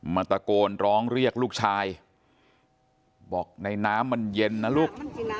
ตะโกนร้องเรียกลูกชายบอกในน้ำมันเย็นนะลูก